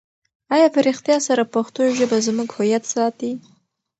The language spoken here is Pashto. آیا په رښتیا سره پښتو ژبه زموږ هویت ساتي؟